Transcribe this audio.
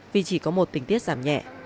vì chỉ có một tình tiết giảm nhẹ